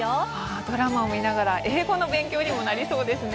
ドラマを見ながら英語の勉強にもなりそうですね。